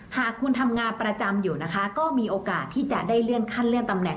หากคุณทำงานประจำอยู่นะคะก็มีโอกาสที่จะได้เลื่อนขั้นเลื่อนตำแหน